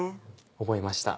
覚えました。